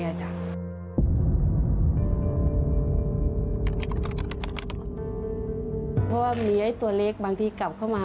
เพราะว่ามีไอ้ตัวเล็กบางทีกลับเข้ามา